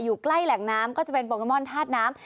อยู่ใกล้แหล่งน้ำก็จะเป็นโปเกมอนธาตุน้ำ